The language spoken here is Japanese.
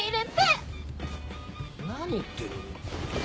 何言ってるの。